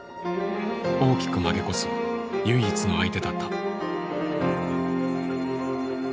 大きく負け越す唯一の相手だった。